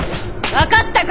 分かったか！